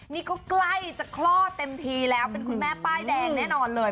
นี่ก็ใกล้จะคลอดเต็มทีแล้วเป็นคุณแม่ป้ายแดงแน่นอนเลย